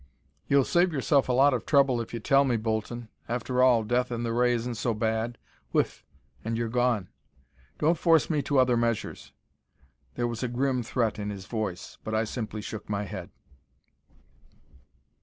"You'll save yourself a lot of trouble if you tell me, Bolton. After all, death in the ray isn't so bad. Whiff and you're gone. Don't force me to other measures." There was a grim threat in his voice. But I simply shook my head.